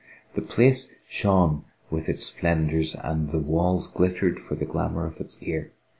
The place shone with its splendours and the walls glittered for the glamour of its gear.